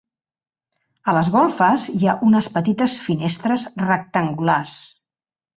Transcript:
A les golfes hi ha unes petites finestres rectangulars.